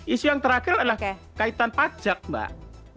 isu yang terakhir adalah kaitan pajak mbak